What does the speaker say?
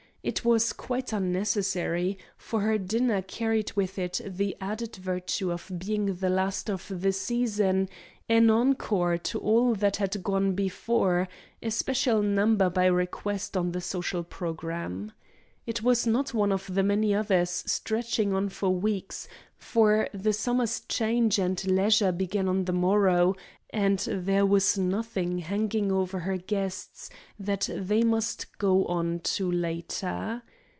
It was quite unnecessary, for her dinner carried with it the added virtue of being the last of the season, an encore to all that had gone before a special number by request on the social programme. It was not one of many others stretching on for weeks, for the summer's change and leisure began on the morrow, and there was nothing hanging over her guests that they must go on to later.